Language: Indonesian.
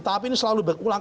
tapi ini selalu berulang